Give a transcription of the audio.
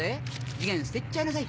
次元捨てちゃいなさい。